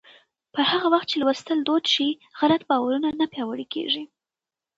پر هغه وخت چې لوستل دود شي، غلط باورونه نه پیاوړي کېږي.